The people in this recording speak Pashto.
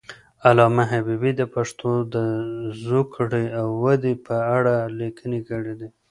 علامه حبیبي د پښتو د زوکړې او ودې په اړه لیکنې کړي دي.